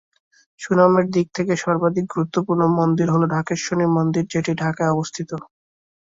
সুনামের দিক থেকে সর্বাধিক গুরুত্বপূর্ণ মন্দির হলো ঢাকেশ্বরী মন্দির, যেটি ঢাকায় অবস্থিত।